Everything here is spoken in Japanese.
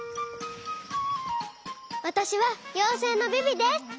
わたしはようせいのビビです！